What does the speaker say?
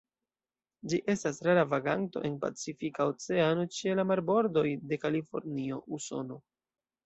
Ĝi estas rara vaganto en Pacifika Oceano ĉe la marbordoj de Kalifornio, Usono.